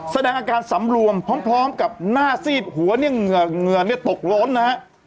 แสดงอาการสำรวมพร้อมกับหน้าซีดหัวเนี่ยเหงื่อเนี่ยตกโล้นนะฮะ